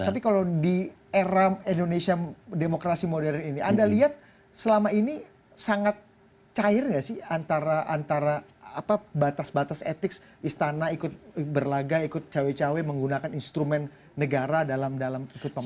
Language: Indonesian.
tapi kalau di era demokrasi modern ini anda lihat selama ini sangat cair nggak sih antara batas batas etik istana ikut berlaga ikut cawe cawe menggunakan instrumen negara dalam tuntutan pemilu